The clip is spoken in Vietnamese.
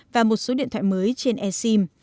và một số điện thoại mới trên e sim